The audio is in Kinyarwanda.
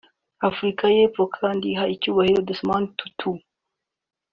Afurika y’Epfo kandi iha icyunahiro Desmond Tutu